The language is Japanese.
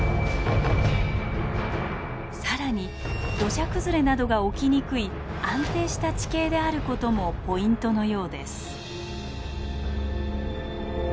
さらに土砂崩れなどが起きにくい安定した地形であることもポイントのようです。